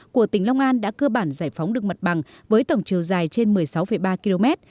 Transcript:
của tỉnh long an đã cơ bản giải phóng được mặt bằng với tổng chiều dài trên một mươi sáu ba km